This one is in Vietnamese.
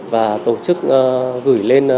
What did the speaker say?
và tổ chức gửi lên